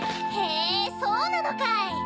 へぇそうなのかい！